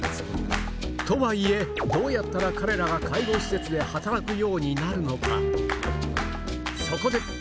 とはいえどうやったら彼らが介護施設で働くようになるのか？